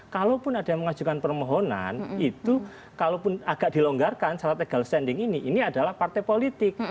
kalaupun ada yang mengajukan permohonan itu kalaupun agak dilonggarkan syarat legal standing ini ini adalah partai politik